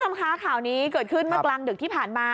สำค้าข่าวนี้เกิดขึ้นเมื่อกลางดึกที่ผ่านมา